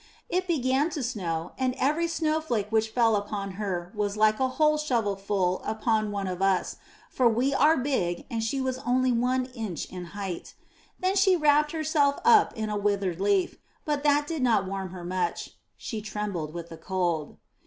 It began to snow and every snowflake which fell upon her was like a whole shovel ful upon one of us, for we are big and she was only one inch in height. Then she wrapped herself up in a withered leaf, but that did not warm her much; she trembled with the cold.